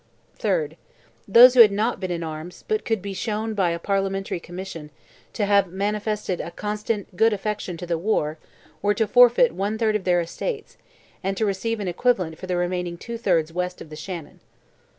3rd. Those who had not been in arms, but could be shown, by a Parliamentary commission, to have manifested "a constant, good affection" to the war, were to forfeit one third of their estates, and receive "an equivalent" for the remaining two thirds west of the Shannon.